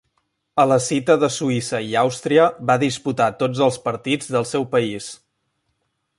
A la cita de Suïssa i Àustria, va disputar tots els partits del seu país.